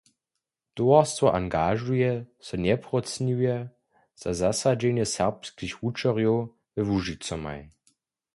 Towarstwo angažuje so njesprócniwje za zasadźenje serbskich wučerjow we Łužicomaj.